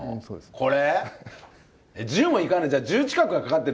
これ？